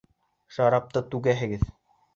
Шарапты түгәһегеҙ!